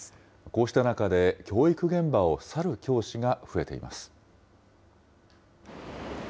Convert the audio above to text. こうした中で、教育現場を去る教師が増えています。